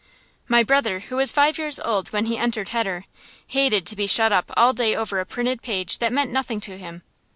My brother, who was five years old when he entered heder, hated to be shut up all day over a printed page that meant nothing to him.